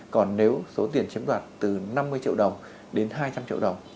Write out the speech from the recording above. còn nếu số tiền chiếm đoạt từ năm mươi triệu đồng đến hai trăm linh triệu đồng